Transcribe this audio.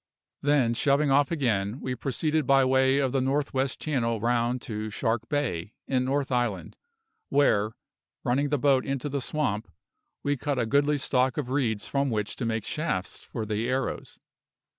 Then, shoving off again, we proceeded by way of the North west Channel round to Shark Bay, in North Island, where, running the boat into the swamp, we cut a goodly stock of reeds from which to make shafts for the arrows.